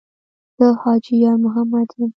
ـ زه حاجي یارمحمد یم.